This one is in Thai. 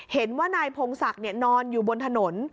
เห็นว่านายพงศักดิ์นอนอยู่บนถนน